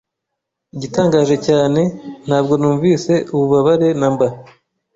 Igitangaje cyane, ntabwo numvise ububabare namba.